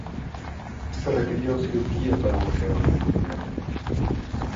Se requirió cirugía para volver a unir los ligamentos.